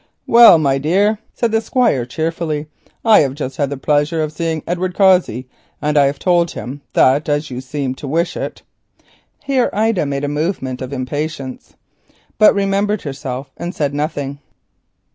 "Well, my dear," said the Squire cheerfully, "I have just had the pleasure of seeing Edward Cossey, and I have told him that, as you seemed to wish it——" Here Ida made a movement of impatience, but remembered herself and said nothing.